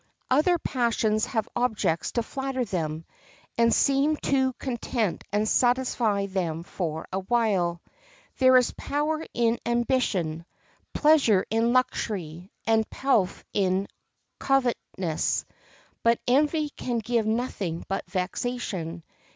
Other passions have objects to flatter them, and seem to content and satisfy them for a while. There is power in ambition, pleasure in luxury, and pelf in covetousness; but envy can give nothing but vexation.